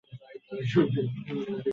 এখানে কি হতে চলেছে, মেস?